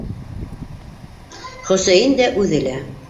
Хөсәйен дә, үҙе лә.